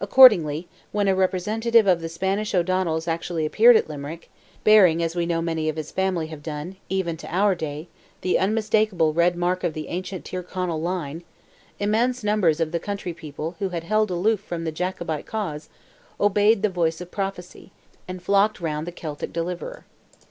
Accordingly, when a representative of the Spanish O'Donnells actually appeared at Limerick, bearing as we know many of his family have done, even to our day, the unmistakable red mark of the ancient Tyrconnell line, immense numbers of the country people who had held aloof from the Jacobite cause, obeyed the voice of prophecy, and flocked round the Celtic deliverer.